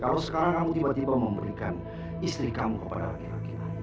kalau sekarang kamu tiba tiba memberikan istri kamu kepada laki laki